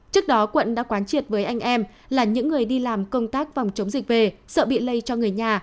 trước đó quận đã quán triệt với anh em là những người đi làm công tác phòng chống dịch về sợ bị lây cho người nhà